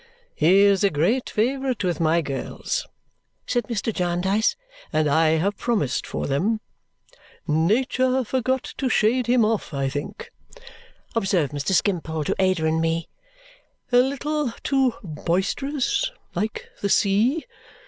"He is a great favourite with my girls," said Mr. Jarndyce, "and I have promised for them." "Nature forgot to shade him off, I think," observed Mr. Skimpole to Ada and me. "A little too boisterous like the sea.